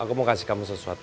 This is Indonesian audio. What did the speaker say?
aku mau kasih kamu sesuatu